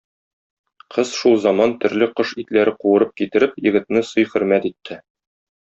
Кыз шул заман төрле кош итләре куырып китереп егетне сый-хөрмәт итте.